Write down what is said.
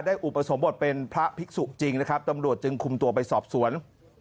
อุปสมบทเป็นพระภิกษุจริงนะครับตำรวจจึงคุมตัวไปสอบสวน